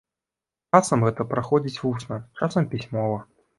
Часам гэта праходзіць вусна, часам пісьмова.